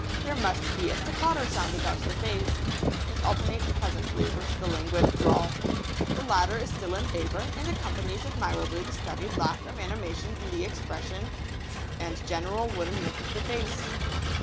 There must be a staccato sound about the phrase, which alternates pleasantly with the languid drawl. The latter is still in favour, and accompanies admirably the studied lack of animation in the expression and general wooden look of the face.